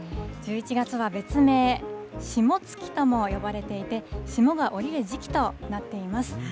１１月は別名、霜月とも呼ばれていて、霜が降りる時期となっています。